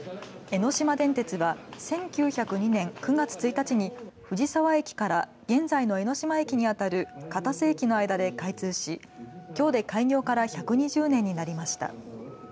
江ノ島電鉄は１９０２年９月１日に藤沢駅から現在の江ノ島駅に当たる片瀬駅の間で開通し、きょうで開業から１２０年になりました。